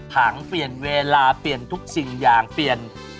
พอยากว่าขอโทษขออนุญาตปรับเปลี่ยน